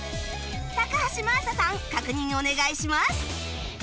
高橋真麻さん確認お願いします